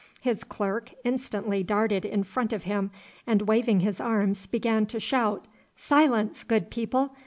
His clerk instantly darted in front of him, and waving his arms began to shout 'Silence, good people!